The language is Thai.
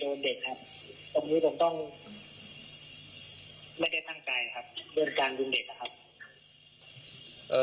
ตรงนี้ผมต้องไม่ได้ตั้งใจครับเรื่องการยิงเด็กนะครับ